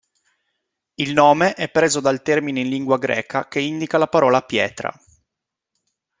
Il nome è preso dal termine in lingua greca che indica la parola "pietra".